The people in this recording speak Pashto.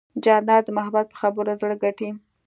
جانداد د محبت په خبرو زړه ګټي.